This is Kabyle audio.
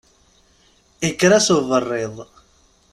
Ikker-as uberriḍ.